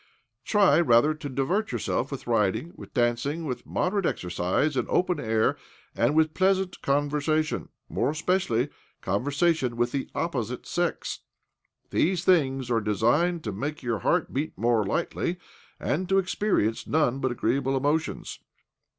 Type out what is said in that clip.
Try, rather, to divert yourself with riding, with dancing, with moderate exercise in the open air, and with pleasant conversation more especially conversation with the oppo site sex. These things are designed to make your heart beat more lightly, and to experi ence none but agreeable emotions.